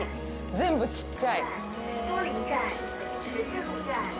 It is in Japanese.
全部ちっちゃい！